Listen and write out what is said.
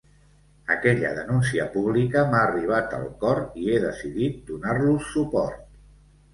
Aquella denúncia pública m'ha arribat al cor i he decidit donar-los suport.